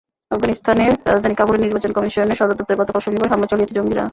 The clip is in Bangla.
আফগানিস্তানের রাজধানী কাবুলে নির্বাচন কমিশনের সদর দপ্তরে গতকাল শনিবার হামলা চালিয়েছে জঙ্গিরা।